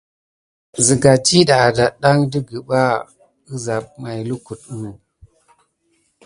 Sigan ɗiɗa ada kidan ɗe gəban kesinki, lukutu nà.